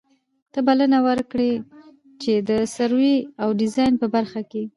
ته بلنه ور کوي چي د سروې او ډيزاين په برخه کي